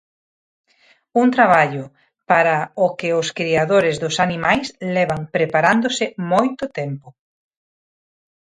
Un traballo para o que os criadores dos animais levan preparándose moito tempo.